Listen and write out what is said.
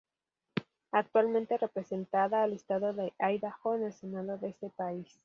Actualmente representada al estado de Idaho en el Senado de ese país.